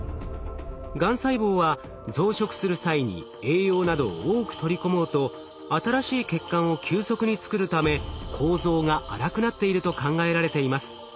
がん細胞は増殖する際に栄養などを多く取り込もうと新しい血管を急速に作るため構造が粗くなっていると考えられています。